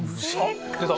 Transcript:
出た！